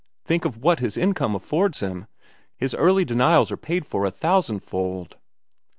"Think of what his income affords him. His early denials are paid for a thousand fold."